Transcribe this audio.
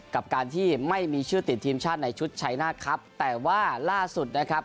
กับการที่ไม่มีชื่อติดทีมชาติในชุดชัยหน้าครับแต่ว่าล่าสุดนะครับ